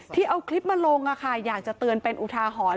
ที่เอาคลิปมาลงอยากจะเตือนเป็นอุทาหรณ์